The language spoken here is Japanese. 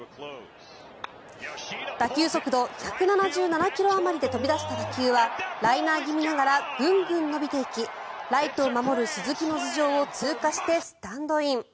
打球速度１７７ｋｍあまりで飛び出した打球はライナー気味ながらぐんぐん伸びていきライトを守る鈴木の頭上を通過して、スタンドイン。